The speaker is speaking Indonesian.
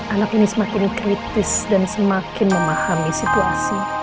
anak ini semakin kritis dan semakin memahami situasi